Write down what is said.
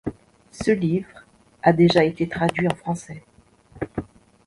Ce livre a déjà été traduit en français.